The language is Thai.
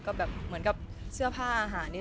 ก็แบบเหมือนกับเสื้อผ้าอาหารนี้